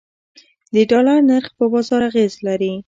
د ډالر نرخ په بازار اغیز لري